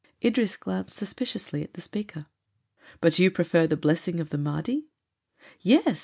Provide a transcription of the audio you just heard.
Idris glanced suspiciously at the speaker. "But you prefer the blessing of the Mahdi?" "Yes.